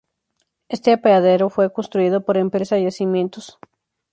Este apeadero fue construido por la empresa Yacimientos Petrolíferos Fiscales.